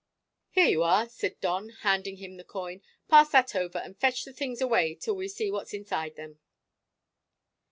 "Here you are," said Don, handing him the coin. "Pass that over, and fetch the things away till we see what's inside them."